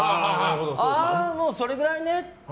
ああ、もうそれぐらいねって。